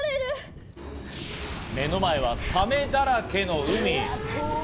目の前はサメだらけの海。